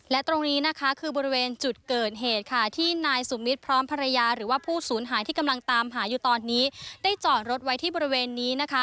และตรงนี้นะคะคือบริเวณจุดเกิดเหตุค่ะที่นายสุมิตรพร้อมภรรยาหรือว่าผู้สูญหายที่กำลังตามหาอยู่ตอนนี้ได้จอดรถไว้ที่บริเวณนี้นะคะ